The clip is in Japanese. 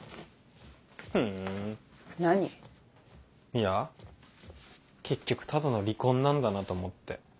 いや結局ただの離婚なんだなと思って。